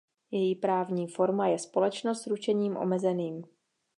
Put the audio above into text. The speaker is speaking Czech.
Její právní forma je společnost s ručením omezeným.